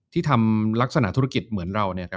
ที่ทำลักษณะธุรกิจเหมือนเรา